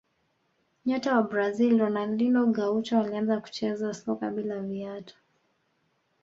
nyota wa brazil ronaldinho gaucho alianza kucheza soka bila viatu